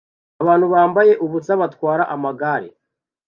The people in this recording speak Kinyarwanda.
Abantu bambaye ubusa batwara amagare